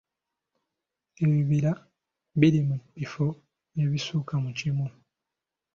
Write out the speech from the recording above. Ebibira biri mu bifo ebisukka mu kimu.